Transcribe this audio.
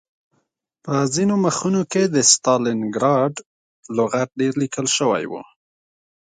په ځینو مخونو کې د ستالنګراډ لغت ډېر لیکل شوی و